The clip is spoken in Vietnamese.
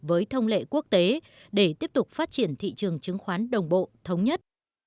với thông lệ quốc tế để tiếp tục phát triển thị trường chứng khoán đồng bộ thống nhất